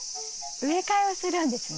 植え替えをするんですね。